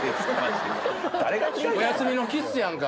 おやすみのキッスやんか。